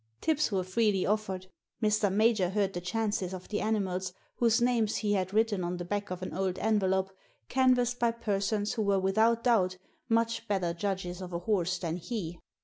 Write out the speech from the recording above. Tips were freely offered. Mr. Major heard the chances of the animals whose names he had written on the back of an old envelope canvassed by persons who were without doubt much better judges of a horse than he.